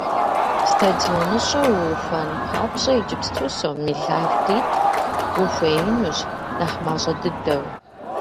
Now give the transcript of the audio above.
СтадионыщӀэ уухуэн папщӀэ иджыпсту сом мелардитӀ ухуеинущ, нэхъ мащӀэ дыдэу.